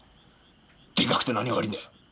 でかくて何が悪いんだよ！